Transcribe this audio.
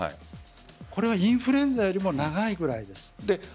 これはインフルエンザよりも長いぐらいです。